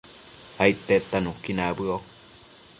aidtedta nuqui nabëo